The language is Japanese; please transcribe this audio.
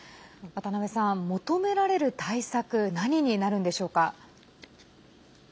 求められる対策何になるのでしょうか？